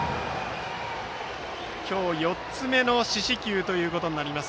今日、４つ目の四死球となります。